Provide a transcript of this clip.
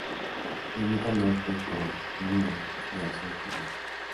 Limita al norte con Jumilla y al sur con Blanca.